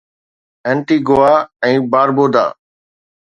Antigua ۽ باربودا